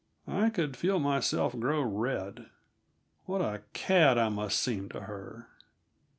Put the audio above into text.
I could feel myself grow red. What a cad I must seem to her!